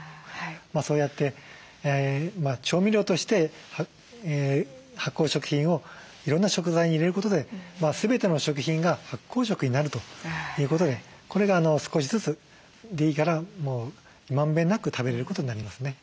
そうやって調味料として発酵食品をいろんな食材に入れることで全ての食品が発酵食になるということでこれが少しずつでいいからまんべんなく食べれることになりますね。